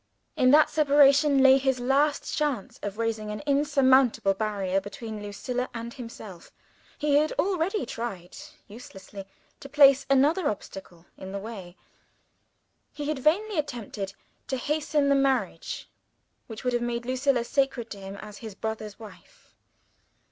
In that separation, lay his last chance of raising an insurmountable barrier between Lucilla and himself. He had already tried uselessly to place another obstacle in the way he had vainly attempted to hasten the marriage which would have made Lucilla sacred to him as his brother's wife.